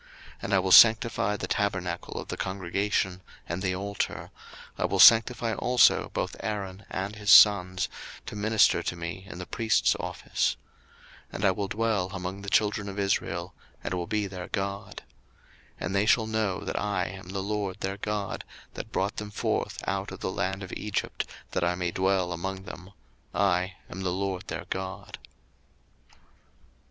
02:029:044 And I will sanctify the tabernacle of the congregation, and the altar: I will sanctify also both Aaron and his sons, to minister to me in the priest's office. 02:029:045 And I will dwell among the children of Israel, and will be their God. 02:029:046 And they shall know that I am the LORD their God, that brought them forth out of the land of Egypt, that I may dwell among them: I am the LORD their God.